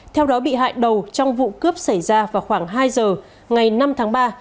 theo đó bị hại đầu trong vụ cướp xảy ra vào khoảng hai giờ ngày năm tháng ba